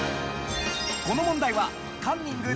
この問題はカンニング竹山さん